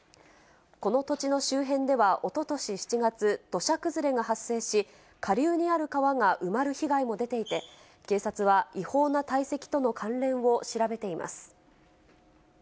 この土地の周辺ではおととし７月、土砂崩れが発生し、下流にある川が埋まる被害も出ていて、警察は違法な堆積との関連を調べています。